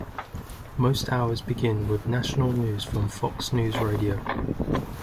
Most hours begin with national news from Fox News Radio.